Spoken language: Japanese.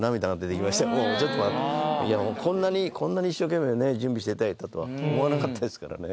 いやもうこんなにこんなに一生懸命ね準備してたりだとは思わなかったですからね